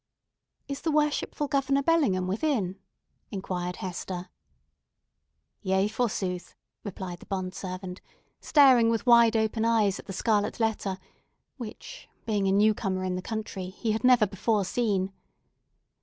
"Is the worshipful Governor Bellingham within?" inquired Hester. "Yea, forsooth," replied the bond servant, staring with wide open eyes at the scarlet letter, which, being a new comer in the country, he had never before seen.